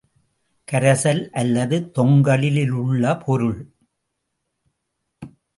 கரைசல் அல்லது தொங்கலிலுள்ள பொருள்.